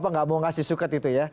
apa nggak mau ngasih suket itu ya